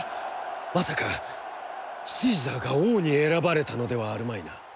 まさか、シーザーが王に選ばれたのではあるまいな？」。